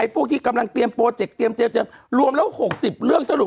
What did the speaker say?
พวกที่กำลังเตรียมโปรเจกต์เตรียมรวมแล้ว๖๐เรื่องสรุป